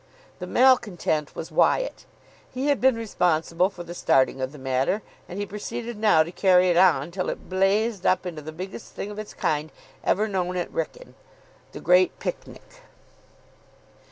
The malcontent was Wyatt. He had been responsible for the starting of the matter, and he proceeded now to carry it on till it blazed up into the biggest thing of its kind ever known at Wrykyn the Great Picnic.